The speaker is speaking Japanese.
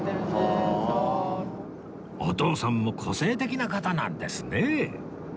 お父さんも個性的な方なんですね